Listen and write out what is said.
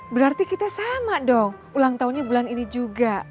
berarti kita sama dong ulang tahunnya bulan ini juga